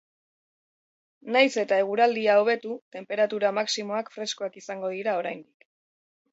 Nahiz eta eguraldia hobetu, tenperatura maximoak freskoak izango dira oraindik.